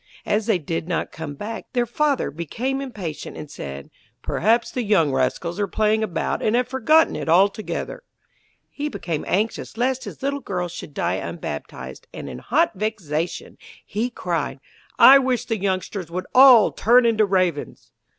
As they did not come back, their Father became impatient, and said: 'Perhaps the young rascals are playing about, and have forgotten it altogether.' He became anxious lest his little girl should die unbaptized, and in hot vexation, he cried: 'I wish the youngsters would all turn into Ravens!'